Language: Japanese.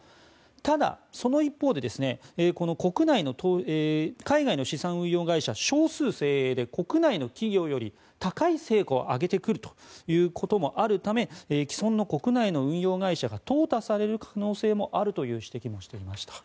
ただ、その一方で海外の資産運用会社は少数精鋭で国内の企業より高い成果を上げてくるということもあるため既存の国内の運用会社がとう汰される可能性もあるという指摘もされていました。